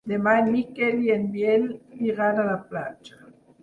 Demà en Miquel i en Biel iran a la platja.